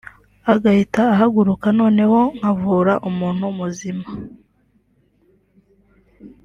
agahita ahaguruka noneho nkavura umuntu muzima